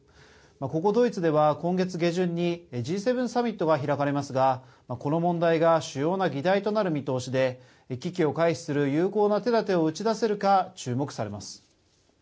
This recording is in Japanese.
ここドイツでは、今月下旬にＧ７サミットが開かれますがこの問題が主要な議題となる見通しで危機を回避する有効な手だてを打ち出せるか注目されます。